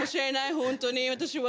本当に私は。